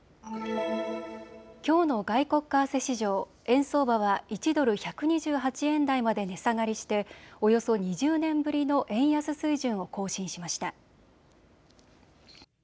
きょうの外国為替市場、円相場は１ドル１２８円台まで値下がりしておよそ２０年ぶりの円安水準を更新しました。